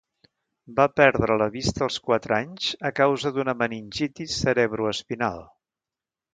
Va perdre la vista als quatre anys a causa d'una meningitis cerebroespinal.